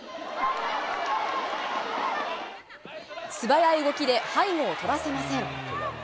素早い動きで背後を取らせません。